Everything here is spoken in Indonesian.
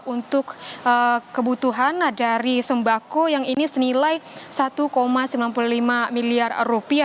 untuk kebutuhan dari sembako yang ini senilai rp satu sembilan puluh lima miliar